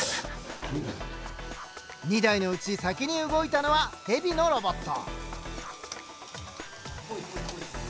２台のうち先に動いたのはヘビのロボット。